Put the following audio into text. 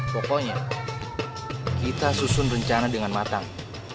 pokoknya kita susun rencana dengan matang